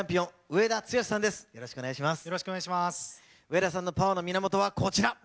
上田さんのパワーの源はこちら。